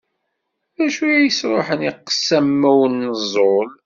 D acu i as-iruḥen i qessam ma ur neẓẓul?